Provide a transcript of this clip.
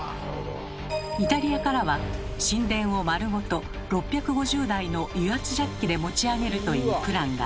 イタリアからは神殿を丸ごと６５０台の油圧ジャッキで持ち上げるというプランが。